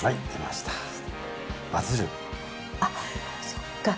あっそっか。